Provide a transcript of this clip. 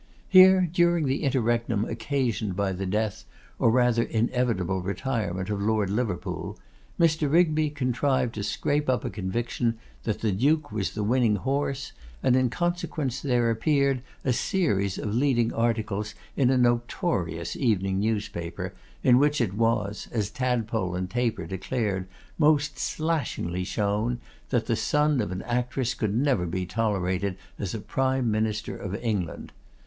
Here, during the interregnum occasioned by the death, or rather inevitable retirement, of Lord Liverpool, Mr. Rigby contrived to scrape up a conviction that the Duke was the winning horse, and in consequence there appeared a series of leading articles in a notorious evening newspaper, in which it was, as Tadpole and Taper declared, most 'slashingly' shown, that the son of an actress could never be tolerated as a Prime Minister of England.